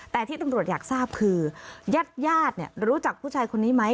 แต่ที่ตำรวจอยากทราบคือญาติญาติรู้จักผู้ชายคนนี้ไหม